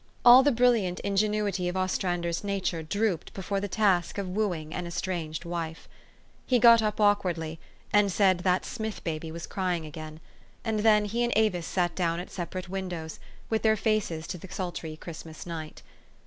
All the brilliant ingenuity of Ostrander's na ture drooped before the task of wooing an estranged wife. He got up awkwardly, and said that Smith baby was crying again ; and then he and Avis sat down at separate windows, with their faces to the sultry Christmas night.